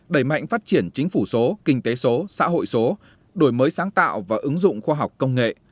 đẩy mạnh phát triển chính phủ số kinh tế số xã hội số đổi mới sáng tạo và ứng dụng khoa học công nghệ